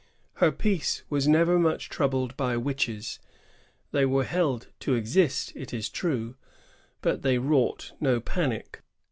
Her peace was never much troubled by witches. They were held to exist, it is true ; but they wrought no panic.